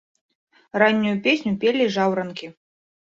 Раннюю песню пелі жаўранкі.